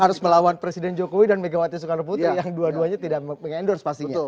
harus melawan presiden jokowi dan megawati soekarno putri yang dua duanya tidak mengendorse pastinya